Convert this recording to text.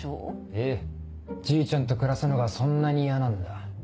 へぇじいちゃんと暮らすのがそんなに嫌なんだ。